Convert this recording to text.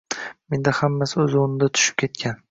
Menda hammasi o’z o’rniga tushib ketgan